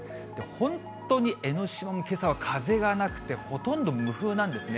本当に江の島もけさは風がなくて、ほとんど無風なんですね。